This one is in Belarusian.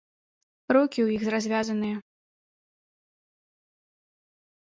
Рукі ў іх развязаныя.